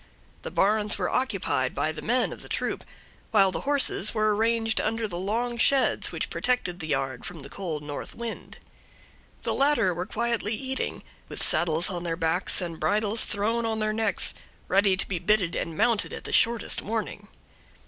The barns were occupied by the men of the troop, while the horses were arranged under the long sheds which protected the yard from the cold north wind. The latter were quietly eating, with saddles on their backs and bridles thrown on their necks, ready to be bitted and mounted at the shortest warning.